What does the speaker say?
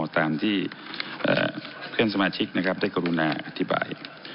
ตามที่เพื่อนสมาชิกนะครับได้กรุณาอธิบาย